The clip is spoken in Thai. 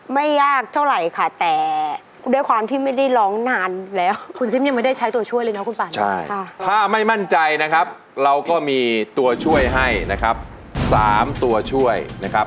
มากเลยแล้วเพลงนี้ก็ไม่รู้เข้ากับสามีอีกไหมคะ